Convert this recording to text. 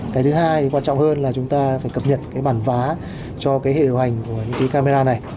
cái thứ hai quan trọng hơn là chúng ta phải cập nhật cái bản vá cho cái hệ điều hành của những cái camera này